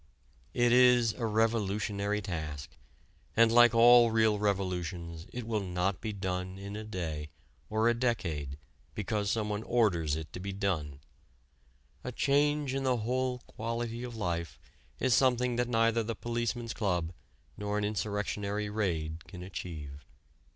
It is a revolutionary task, and like all real revolutions it will not be done in a day or a decade because someone orders it to be done. A change in the whole quality of life is something that neither the policeman's club nor an insurrectionary raid can achieve.